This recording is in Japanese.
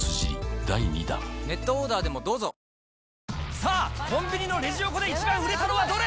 さあ、コンビニのレジ横で一番売れたのはどれ？